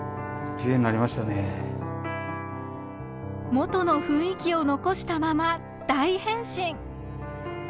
元の雰囲気を残したまま大変身！